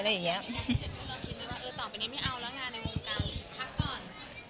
แล้วคุณคิดว่าต่อไปนี้ไม่เอาแล้วงานในวงกลางพักก่อน